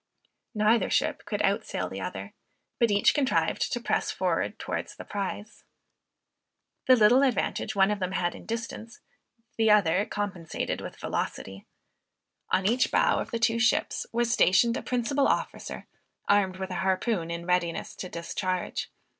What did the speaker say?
Neither ship could out sail the other, but each contrived to press forward towards the prize. The little advantage one of them had in distance, the other compensated with velocity. On each bow of the two ships, was stationed a principal officer, armed with a harpoon in readiness to discharge.